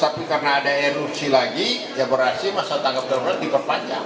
tapi karena ada erupsi lagi ya berarti masa tanggap darurat diperpanjang